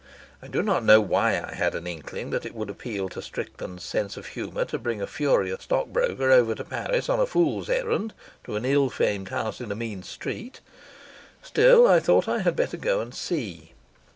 I do not know why I had an inkling that it would appeal to Strickland's sense of humour to bring a furious stockbroker over to Paris on a fool's errand to an ill famed house in a mean street. Still, I thought I had better go and see.